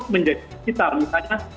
menjadi digital misalnya